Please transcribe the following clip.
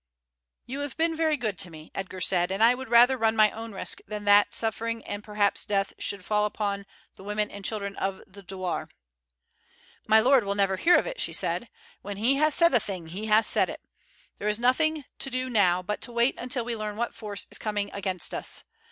"You have been very good to me," Edgar said, "and I would rather run my own risk than that suffering and perhaps death should fall upon the women and children of the douar." "My lord will never hear of it," she said. "When he has said a thing he has said it. There is nothing to do now but to wait until we learn what force is coming against us.